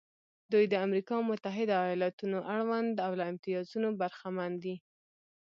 دوی د امریکا متحده ایالتونو اړوند دي او له امتیازونو برخمن دي.